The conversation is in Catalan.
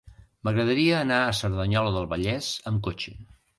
M'agradaria anar a Cerdanyola del Vallès amb cotxe.